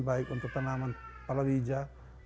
baik untuk tanaman palau hijau